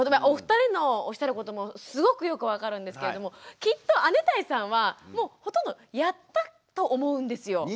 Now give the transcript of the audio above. お二人のおっしゃることもすごくよく分かるんですけれどもきっと姉帶さんはもうほとんどやったと思うんですよ。